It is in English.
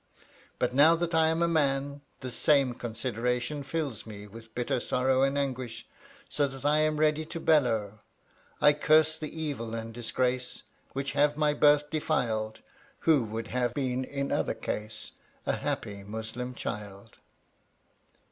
'* But now that I am a man, this same consideration fills me with bitterest sorrow and anguish, so that I am ready to bellow: I curse the evil and disgrace Which have my birth defiled, Who would have been in other case A happy Muslim child!